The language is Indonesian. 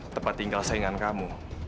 tepat tinggal saingan kamu